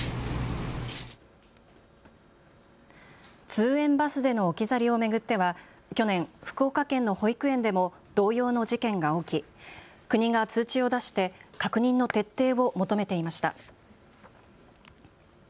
通園バスでの置き去りを巡っては去年、福岡県の保育園でも同様の事件が起き、国が通知を出して確認の徹底を求めていました。